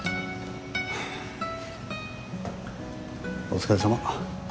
お疲れさま。